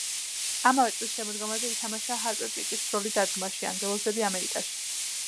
იმავე წლის შემოდგომაზე ითამაშა ჰარპერ პიტის როლი დადგმაში „ანგელოზები ამერიკაში“.